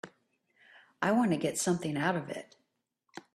I want to get something out of it.